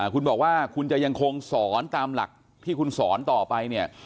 คุณบอกว่าคุณจะยังคงสอนตามหลักที่คุณสอนต่อไปเนี่ย